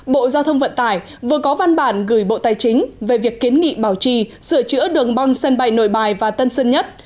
bộ giao thông vận tải vừa có văn bản gửi bộ tài chính về việc kiến nghị bảo trì sửa chữa đường băng sân bay nội bài và tân sơn nhất